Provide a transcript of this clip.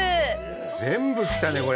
全部来たね、これ。